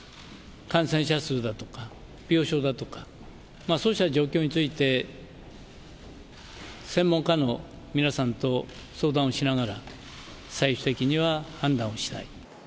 感染者数だとか病床だとか、そうした状況について専門家の皆さんと相談をしながら、最終的には判断をしたい。